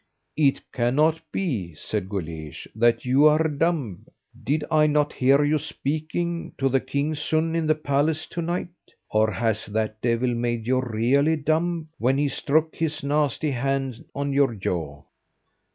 "It cannot be," said Guleesh, "that you are dumb. Did I not hear you speaking to the king's son in the palace to night? Or has that devil made you really dumb, when he struck his nasty hand on your jaw?"